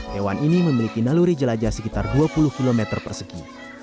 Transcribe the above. hewan ini memiliki naluri jelajah sekitar dua puluh km persegi